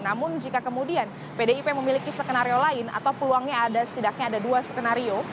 namun jika kemudian pdip memiliki skenario lain atau peluangnya ada setidaknya ada dua skenario